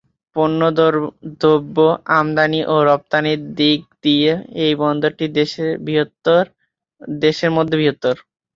পন্য দ্রব্য আমদানি ও রপ্তানির দিক দিয়ে এই বন্দরটি দেশের মধ্যে বৃহত্তম।